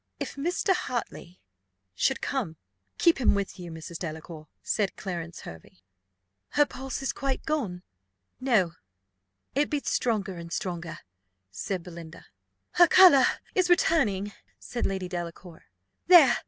"If Mr. Hartley should come, keep him with you, Mrs. Delacour," said Clarence Hervey. "Is her pulse quite gone?" "No; it beats stronger and stronger," said Belinda. "Her colour is returning," said Lady Delacour. "There!